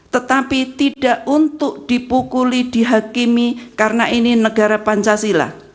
tetapi tidak untuk dipukuli dihakimi karena ini negara pancasila